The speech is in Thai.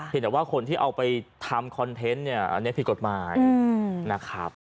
แต่ว่าคนที่เอาไปทำคอนเทนต์เนี่ยอันนี้ผิดกฎหมายนะครับ